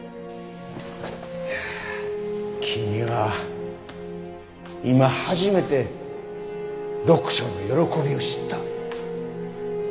いやあ君は今初めて読書の喜びを知った。